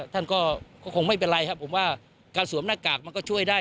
ท่านก็คงไม่เป็นไรครับผมว่าการสวมหน้ากากมันก็ช่วยได้